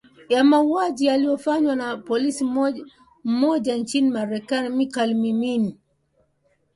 ya mauwaji yaliofanywa na polisi mmoja nchini marekani michael minim